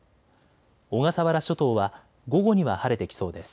小笠原諸島は午後には晴れてきそうです。